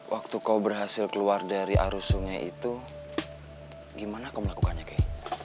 waktu kau berhasil keluar dari arus sungai itu gimana kau melakukannya kay